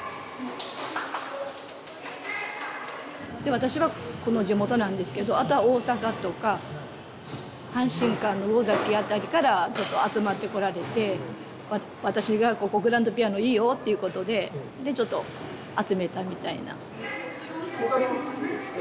私はこの地元なんですけどあとは大阪とか阪神間の魚崎辺りから集まってこられて私が「ここグランドピアノいいよ」っていうことでちょっと集めたみたいな。